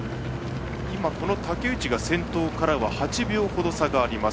この竹内が先頭から８秒ほど差があります。